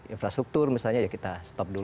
infrastruktur misalnya ya kita stop dulu